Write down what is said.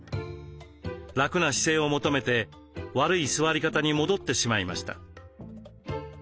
楽な姿勢を求めて悪い座り方に戻ってしまいました。